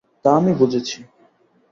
তা আমি বুঝেছি।